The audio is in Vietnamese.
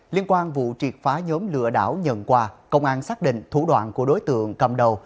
liên quan vụ triệt phá nhóm lựa đảo nhận qua công an xác định thủ đoạn của đối tượng cầm đầu